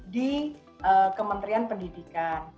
di kementerian pendidikan